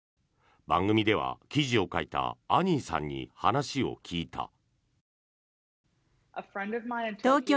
番組では記事を書いたアニーさんに話を聞いた。